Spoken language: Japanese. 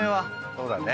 そうだね。